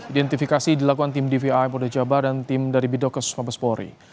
identifikasi dilakukan tim dvi moda jabar dan tim dari bidokus mabes polri